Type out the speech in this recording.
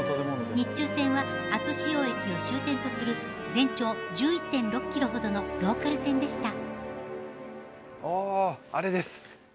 日中線は熱塩駅を終点とする全長１１．６キロほどのローカル線でした。